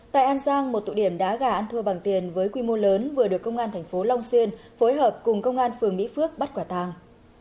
tại an giang một tụ điểm đá gà ăn thua bằng tiền với quy mô lớn vừa được công an thành phố long xuyên phối hợp cùng công an phường mỹ phước bắt quả tàng